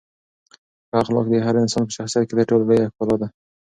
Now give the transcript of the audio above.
ښه اخلاق د هر انسان په شخصیت کې تر ټولو لویه ښکلا ده.